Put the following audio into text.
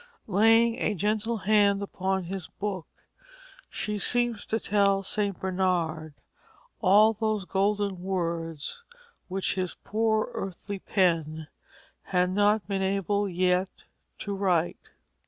Laying a gentle hand upon his book, she seems to tell St. Bernard all those golden words which his poor earthly pen had not been able yet to write.